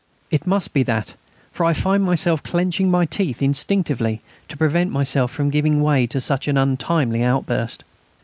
It must be that, for I find myself clenching my teeth instinctively to prevent myself from giving way to such an untimely outburst.